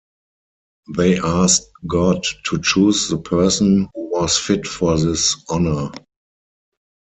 They asked God to choose the person who was fit for this honor.